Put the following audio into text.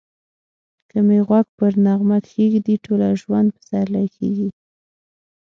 که می غوږ پر نغمه کښېږدې ټوله ژوند پسرلی کېږی